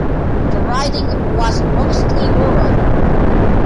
The riding was mostly rural.